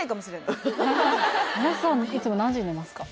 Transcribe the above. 皆さんいつも何時に寝ますか？